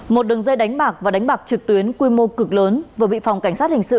một đường dây đánh bạc và đánh bạc trực tuyến quy mô cực lớn vừa bị phòng cảnh sát hình sự